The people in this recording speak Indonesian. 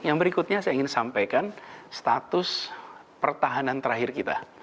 yang berikutnya saya ingin sampaikan status pertahanan terakhir kita